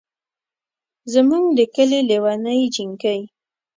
زمونږ ده کلي لېوني جينکۍ